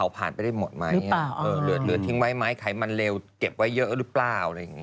ผมไม่ต้องกินอะไรแล้วล่ะ